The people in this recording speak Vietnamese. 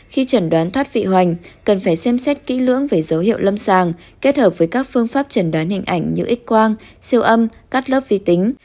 khi chẩn đoán thoát vị hoành cần phải xem xét kỹ lưỡng về dấu hiệu lâm sàng kết hợp với các phương pháp trần đoán hình ảnh như x quang siêu âm cắt lớp vi tính